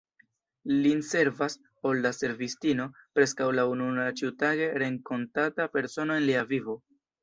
Lin servas “olda servistino, preskaŭ la ununura ĉiutage renkontata persono en lia vivo.